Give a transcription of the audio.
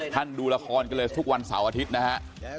ดูละครกันเลยทุกวันเสาร์อาทิตย์นะฮะ